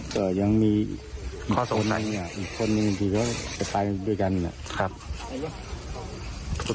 เห็นในวันดินผมนึกว่าเพิ่ง